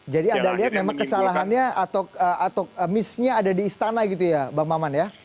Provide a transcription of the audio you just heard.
jadi ada lihat memang kesalahannya atau miss nya ada di istana gitu ya bapak mamand ya